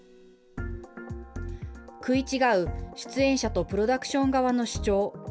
食い違う出演者とプロダクション側の主張。